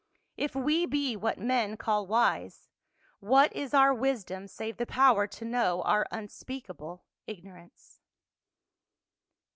If we be what men call wise, what is our wisdom save the power to know our unspeakable ignorance